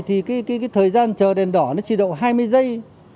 thì cái thời gian chờ đèn đỏ nó chỉ độ hai mươi giây